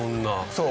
そう。